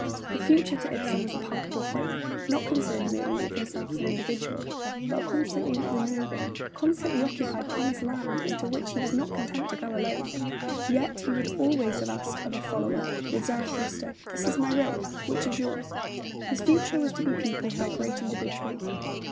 The future, to Ibsen, was a palpable thing, not concerned merely with himself as an individual, but a constantly removing, continually occupied promised land, into which he was not content to go alone. Yet he would always have asked of a follower, with Zarathustra: 'This is my road; which is yours?' His future was to be peopled by great individuals.